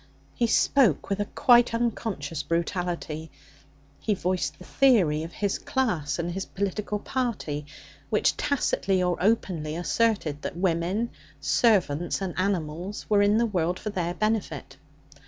He spoke with a quite unconscious brutality; he voiced the theory of his class and his political party, which tacitly or openly asserted that woman, servants, and animals were in the world for their benefit.